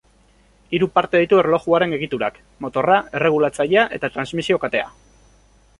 Hiru parte ditu erlojuaren egiturak: motorra, erregulatzailea eta transmisio katea.